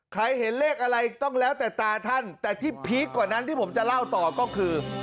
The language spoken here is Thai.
เห็นเลขอะไรต้องแล้วแต่ตาท่านแต่ที่พีคกว่านั้นที่ผมจะเล่าต่อก็คือ